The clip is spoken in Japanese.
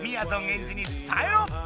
エンジに伝えろ！